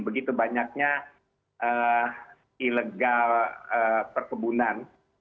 begitu banyaknya ilegal perkebunan